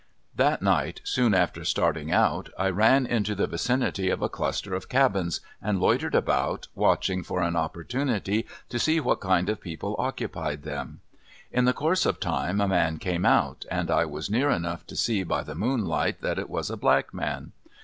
That night, soon after starting out, I ran into the vicinity of a cluster of cabins, and loitered about watching for an opportunity to see what kind of people occupied them. In the course of time a man came out, and I was near enough to see by the moonlight that it was a black man.